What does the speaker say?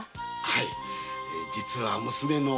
はい。